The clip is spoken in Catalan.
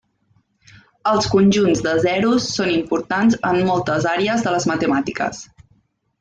Els conjunts de zeros són importants en moltes àrees de les matemàtiques.